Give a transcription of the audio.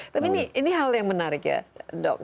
tapi ini hal yang menarik ya dok